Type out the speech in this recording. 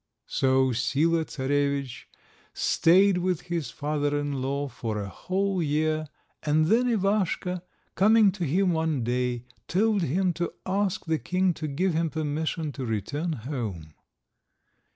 So Sila Czarovitch stayed with his father in law for a whole year, and then Ivaschka, coming to him one day, told him to ask the king to give him permission to return home.